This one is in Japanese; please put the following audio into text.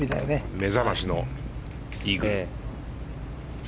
目覚ましのイーグル。